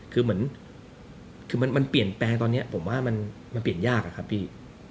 คือเหมือนคือมันเปลี่ยนแปลงตอนนี้ผมว่ามันเปลี่ยนยากอะครับพี่